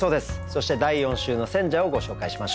そして第４週の選者をご紹介しましょう。